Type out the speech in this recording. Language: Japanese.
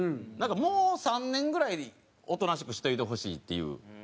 もう３年ぐらいおとなしくしといてほしいっていう。